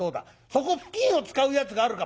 そこ布巾を使うやつがあるか。